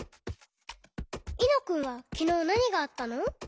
いのくんはきのうなにがあったの？